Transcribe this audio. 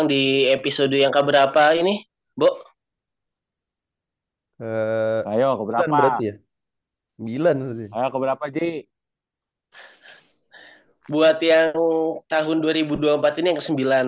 di episode yang keberapa ini bok ayo keberapa sembilan ayo keberapa j buat yang tahun dua ribu dua puluh empat ini yang